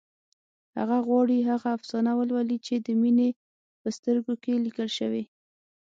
هغه غواړي هغه افسانه ولولي چې د مينې په سترګو کې لیکل شوې